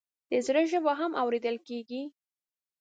د زړه ژبه هم اورېدل کېږي.